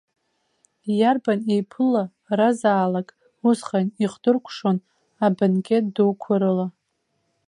Иарбан еиԥыларазаалак усҟан ихдыркәшон абанкет дуқәа рыла.